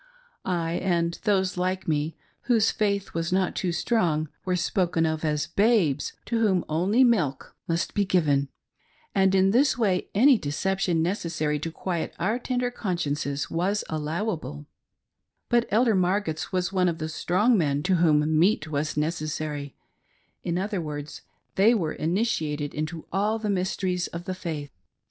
I, and those like me, whose faith was not too strong, were spoken of as ' babes ' to whom milk only must be given ; and in this way any deception necessary to quiet our tender consciences was allowable ; but Elder Margetts was one oi the ' strong men ' to whom meat was necessary :— in other words, they were initiated into all the mysteries of the faith.